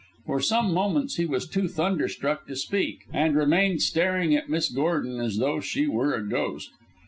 For some moments he was too thunderstruck to speak, and remained staring at Miss Gordon as though she were a ghost.